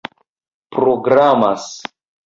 programas